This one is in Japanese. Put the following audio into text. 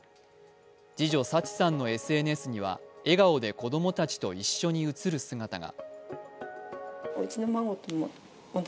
次女・抄知さんのＳＮＳには笑顔で子供たちと一緒に写る姿が。